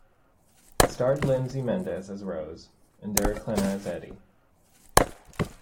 It starred Lindsay Mendez as Rose and Derek Klena as Eddie.